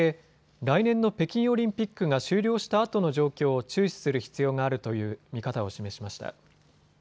来年の北京オリンピックが終了したあとの状況を注視する必要があるという見方を示しました。